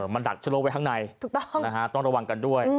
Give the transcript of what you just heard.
มันดักเชื้อโรคไว้ข้างในถูกต้องระวังกันด้วย